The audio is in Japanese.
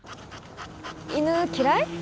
犬嫌い？